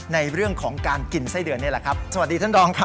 ในเรื่องของการกินไส้เดือนนี่แหละครับสวัสดีท่านรองครับ